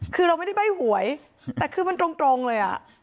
คือเราไม่ได้ใบ้หวยแต่คือมันตรงเลยอ่ะ